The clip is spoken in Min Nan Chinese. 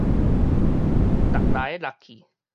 搦來搦去